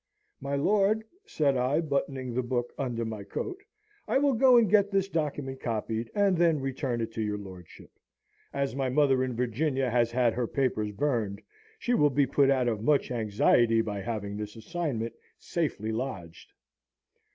"My lord," said I, buttoning the book under my coat, "I will go and get this document copied, and then return it to your lordship. As my mother in Virginia has had her papers burned, she will be put out of much anxiety by having this assignment safely lodged."